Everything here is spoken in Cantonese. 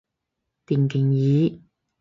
電競椅